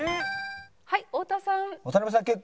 はい太田さん。